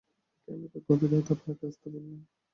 কেনই-বা গভীর রাতে আপনাকে আসতে বললাম?